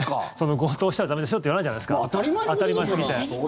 強盗したら駄目ですよって言わないじゃないですか当たり前すぎて。